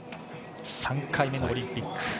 ３回目のオリンピック。